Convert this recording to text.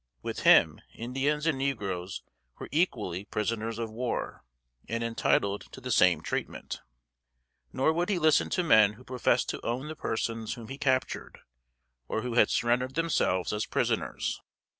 With him Indians and negroes were equally prisoners of war, and entitled to the same treatment. Nor would he listen to men who professed to own the persons whom he captured, or who had surrendered themselves as prisoners.